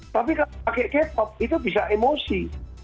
tapi kalau pakai k pop itu bisa emosi